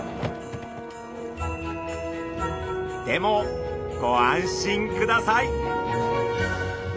でもご安心ください。